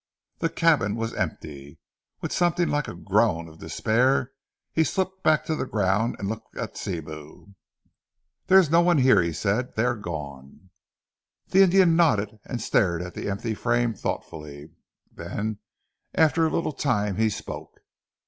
The cabin was empty. With something like a groan of despair he slipped back to the ground, and looked at Sibou. "There is no one here," he said. "They are gone!" The Indian nodded and stared at the empty frame thoughtfully, then after a little time he spoke.